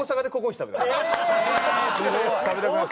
食べたくなって。